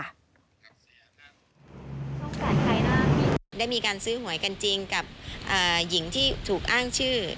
ได้มีการซื้อหวยกันจริงกับหญิงที่ถูกอ้างชื่อ